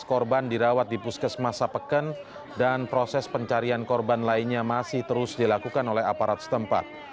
tujuh belas korban dirawat di puskesmas sapeken dan proses pencarian korban lainnya masih terus dilakukan oleh aparat setempat